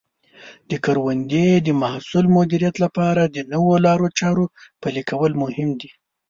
د کروندې د محصول مدیریت لپاره د نوو لارو چارو پلي کول مهم دي.